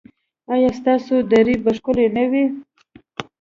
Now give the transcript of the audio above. ایا ستاسو درې به ښکلې نه وي؟